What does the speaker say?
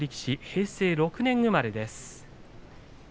平成６年生まれです。